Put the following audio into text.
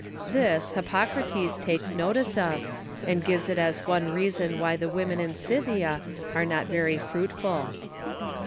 This Hippocrates takes notice of, and gives it as one Reason why the Women in Scythia are not very fruitful.